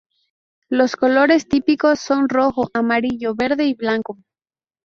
Los colores típicos son rojo, amarillo, verde y blanco.